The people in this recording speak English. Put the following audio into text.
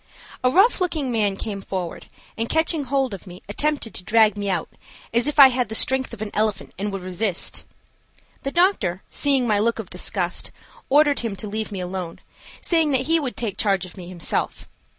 A rough looking man came forward, and catching hold of me attempted to drag me out as if I had the strength of an elephant and would resist. The doctor, seeing my look of disgust, ordered him to leave me alone, saying that he would take charge of me himself.